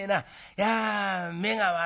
いや目が悪い